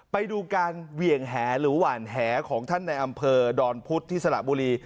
ไปดูการเหวี่ยงแหหรือว่านแหของท่านในอำเภอดอนพุธที่สระบุรี